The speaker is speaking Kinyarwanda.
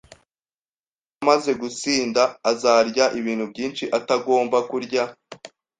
Tom amaze gusinda, azarya ibintu byinshi atagomba kurya